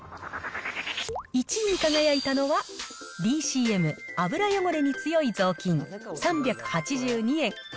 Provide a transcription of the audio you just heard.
１位に輝いたのは、ＤＣＭ油汚れに強いぞうきん、３８２円。